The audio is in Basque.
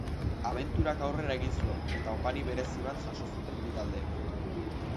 Abenturak aurrera egin zuen, eta opari berezi bat jaso zuten bi taldeek.